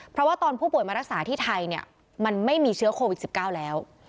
เพราะว่าตอนผู้ป่วยมารักษาที่ไทยเนี่ยมันไม่มีเชื้อโควิด๑๙แล้ว